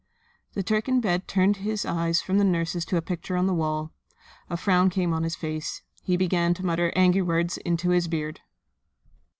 The Turk in bed turned his eyes from the nurses to a picture on the wall. A frown came on his face. He began to mutter angry words into his beard.